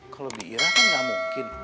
kalau biira kan nggak mungkin